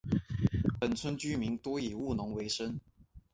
本村居民多以务农为生。